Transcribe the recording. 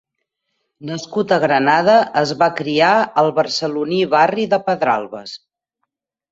Nascut a Granada, es va criar al barceloní barri de Pedralbes.